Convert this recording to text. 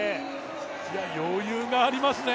余裕がありますね。